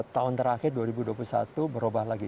tahun terakhir dua ribu dua puluh satu berubah lagi